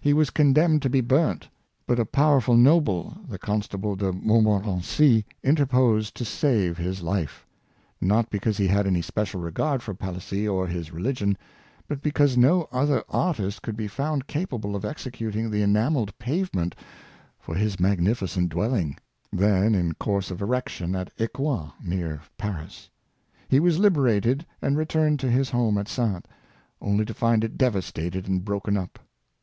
He was condemned to be burnt, but a power ful noble, the Constable de Montmorency, interposed to save his life — not because he had any special regard for Palissy or his religion, but because no other artist could be found capable of executing the enamelled pavement for his magnificent dwelling, then in course of erection at Ecouen, near Paris. He was liberated, and returned to his home at Saintes, only to find it devastated and broken up.